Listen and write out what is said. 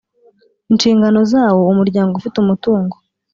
Inshingano zawo umuryango ufite umutungo